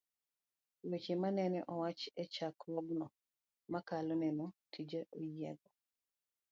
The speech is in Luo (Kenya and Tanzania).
Weche manene owach e Chokruogno mokalo nene jite oyiego